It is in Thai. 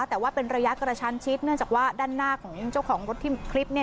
แต่ว่าเป็นระยะกระชั้นชิดเนื่องจากว่าด้านหน้าของเจ้าของรถที่คลิปเนี่ย